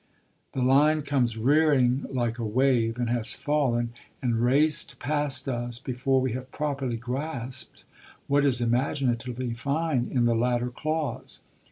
The line comes rearing like a wave, and has fallen and raced past us before we have properly grasped what is imaginatively fine in the latter clause.